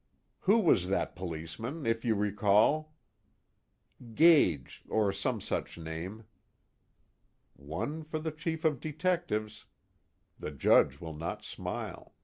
"Who was that policeman, if you recall?" "Gage or some such name." _One for the Chief of Detectives. The Judge will not smile.